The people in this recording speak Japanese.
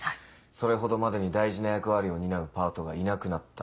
それほどまでに大事な役割を担うパートがいなくなった。